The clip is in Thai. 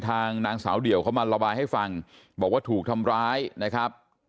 ทางนางสาวเดี่ยวเขามาระบายให้ฟังบอกว่าถูกทำร้ายนะครับ